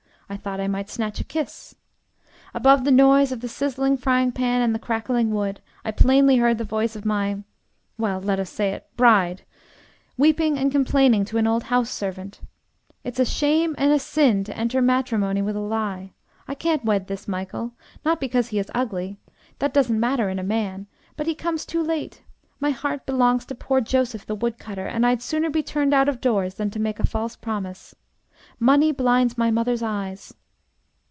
I thought I might snatch a kiss. Above the noise of the sizzling frying pan and the crackling wood, I plainly heard the voice of my well, let us say it bride, weeping and complaining to an old house servant: 'It's a shame and a sin to enter matrimony with a lie. I can't wed this Michael: not because he is ugly; that doesn't matter in a man, but he comes too late! My heart belongs to poor Joseph, the woodcutter, and I'd sooner be turned out of doors than to make a false promise. Money blinds my mother's eyes!'